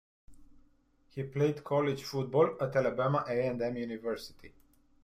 He played college football at Alabama A and M University.